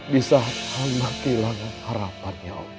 disaat amba ke hilangan harapannya ya allah